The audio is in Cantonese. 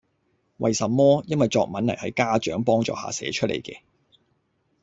為什麼?因為作文係喺家長幫助下寫出嚟嘅